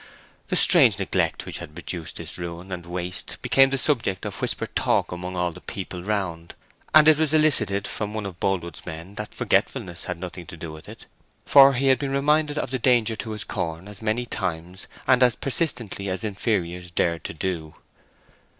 The strange neglect which had produced this ruin and waste became the subject of whispered talk among all the people round; and it was elicited from one of Boldwood's men that forgetfulness had nothing to do with it, for he had been reminded of the danger to his corn as many times and as persistently as inferiors dared to do.